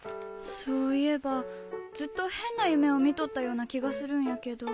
そういえばずっと変な夢を見とったような気がするんやけど。